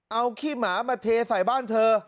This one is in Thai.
เอาขี้หมามาเทใส่บ้านเธอ